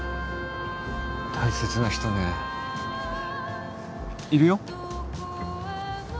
大切な人ねいるよ